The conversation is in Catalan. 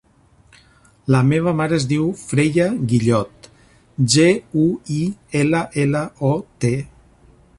La meva mare es diu Freya Guillot: ge, u, i, ela, ela, o, te.